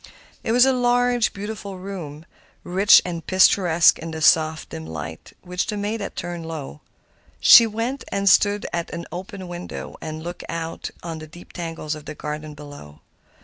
It was a large, beautiful room, rich and picturesque in the soft, dim light which the maid had turned low. She went and stood at an open window and looked out upon the deep tangle of the garden below.